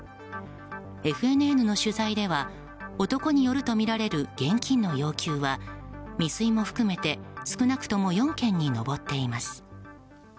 ＦＮＮの取材では男によるとみられる現金の要求は未遂も含めて少なくとも４件に上っています。